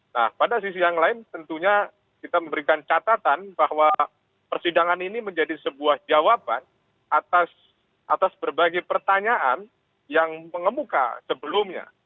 nah pada sisi yang lain tentunya kita memberikan catatan bahwa persidangan ini menjadi sebuah jawaban atas berbagai pertanyaan yang mengemuka sebelumnya